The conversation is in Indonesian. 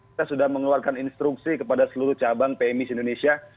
kita sudah mengeluarkan instruksi kepada seluruh cabang pmi indonesia